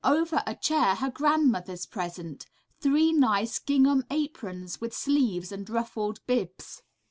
Over a chair her grandmother's present, three nice gingham aprons, with sleeves and ruffled bibs.